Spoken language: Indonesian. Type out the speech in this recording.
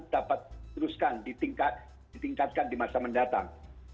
dapat teruskan ditingkatkan di masa mendatang